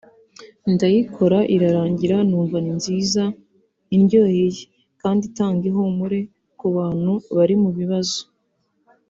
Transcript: ndayikora irarangira numva ni nziza indyoheye kandi itanga ihumure ku bantu bari mu bibazo